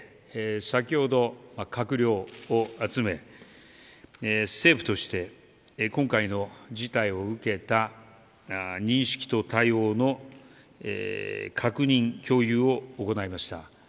先ほど閣僚を集め政府として今回の事態を受けた認識と対応の確認、共有を行いました。